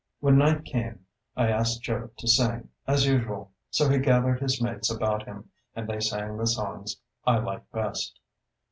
When night came I asked Joe to sing, as usual; so he gathered his mates about him, and they sang the songs I liked best.